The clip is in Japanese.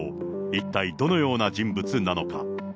一体どのような人物なのか。